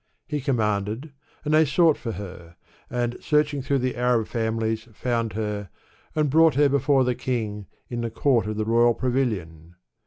He commanded, and they sought for her, and, searching through the Arab families, found her, and brought her before the king, in the court of the royal pavilion.